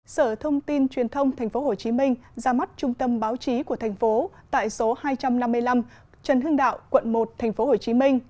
sở thông tin truyền thông tp hcm ra mắt trung tâm báo chí của thành phố tại số hai trăm năm mươi năm trần hưng đạo quận một tp hcm